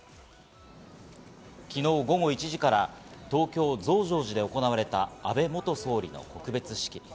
昨日、午後１時から東京・増上寺で行われた安倍元総理の告別式。